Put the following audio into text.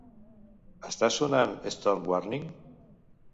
Està sonant "Storm Warning"?